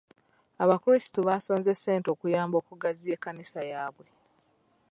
Abakulisitu basonze ssente okuyamba okugaziya ekkanisa yabwe.